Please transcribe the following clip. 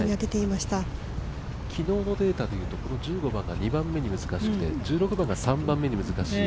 昨日のデータでいうとこの１５番が２番目に難しくて、１６番が３番目に難しい。